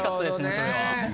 それは。